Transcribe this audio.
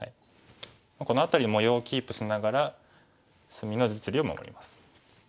この辺り模様をキープしながら隅の実利を守ります。